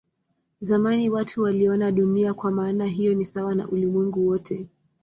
Zamani watu waliona Dunia kwa maana hiyo ni sawa na ulimwengu wote.